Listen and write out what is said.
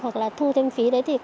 hoặc là thu thêm phí